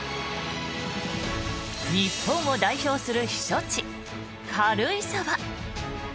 日本を代表する避暑地軽井沢。